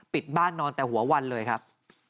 ปิดบ้านนอนแต่หัววันเลยครับ